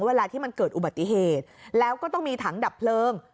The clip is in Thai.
เวลาที่มันเกิดอุบัติเหตุแล้วก็ต้องมีถังดับเพลิง